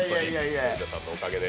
森田さんのおかげで。